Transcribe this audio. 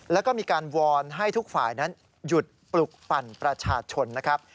แล้วก็มีการวอนให้ทุกฝ่ายนั้นหยุดปลุกปั่นประชาชนนะครับ